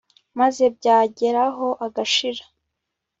maze byageraho agashira